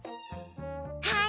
はい。